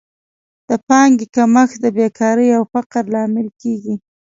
د پانګې کمښت د بېکارۍ او فقر لامل کیږي.